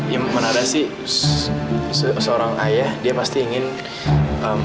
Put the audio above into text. ya mana ada sih seorang ayah dia pasti ingin putrinya yang